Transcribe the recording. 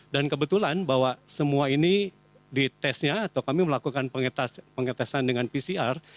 dan kebetulan bahwa semua ini di testnya atau kami melakukan pengetesan dengan pcr